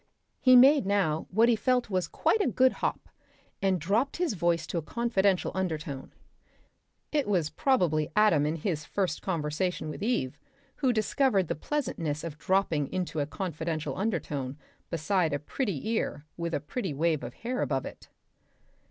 He made now what he felt was quite a good hop, and he dropped his voice to a confidential undertone. (It was probably Adam in his first conversation with Eve, who discovered the pleasantness of dropping into a confidential undertone beside a pretty ear with a pretty wave of hair above it.)